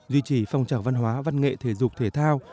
duy trì phong trào văn hóa văn nghệ thể dục thể thao